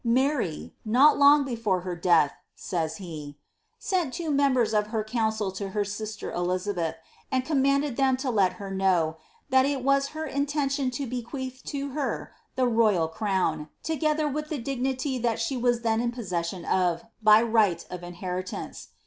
" Mary, not long before her death," says he,' *' sent two members of her council to her sister Elizabetli, and commanded them to let her know ^ that it was her intention to bequeath to her the royal crown, together with the dignity that she was then in possession of by right of inheritance.'